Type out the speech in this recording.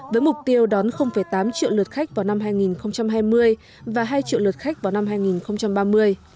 với mục tiêu đón tám triệu lượt khách vào năm hai nghìn hai mươi và hai triệu lượt khách vào năm hai nghìn ba mươi